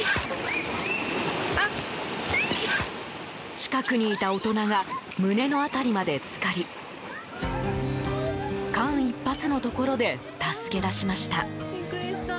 近くにいた大人が胸の辺りまで浸かり間一髪のところで助け出しました。